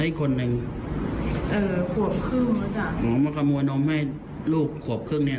แล้วอีกคนหนึ่งเออขวบครึ่งแล้วจ้ะขอมาขโมยนมให้ลูกขวบครึ่งเนี้ยนะ